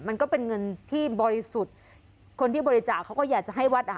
มันก็เป็นเงินที่บริสุทธิ์คนที่บริจาคเขาก็อยากจะให้วัดอ่ะ